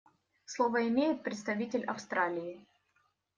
Слово имеет представитель Австралии.